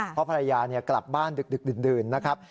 เพราะภรรยากลับบ้านดึกดื่นนะครับ